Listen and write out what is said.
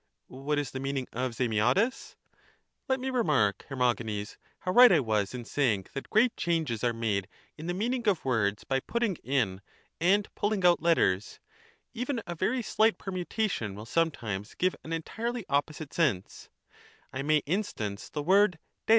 What is the meaning of ^TjfULJSer? — let me remark, Hermogenes, how right I was in saying that great changes are made in the meaning of words by putting in and pulling out letters; even a very slight permutation will sometimes Ancient pronunciation of words. 363 give an entirely opposite sense ; I may instance the word Cratyius.